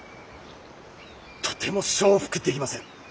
とても承服できません。